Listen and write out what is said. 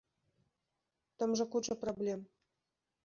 Там жа куча праблем.